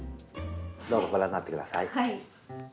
どうぞご覧になってください。